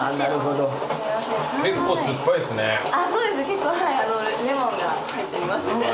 結構レモンが入っております。